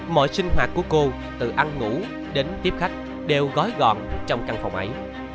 mọi sinh hoạt của cô từ ăn ngủ đến tiếp khách đều gói gọn trong căn phòng ấy